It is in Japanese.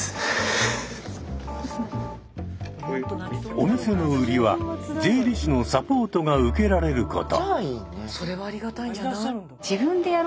お店の売りは税理士のサポートが受けられること。